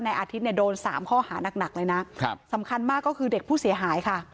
อาทิตย์เนี่ยโดน๓ข้อหานักหนักเลยนะครับสำคัญมากก็คือเด็กผู้เสียหายค่ะ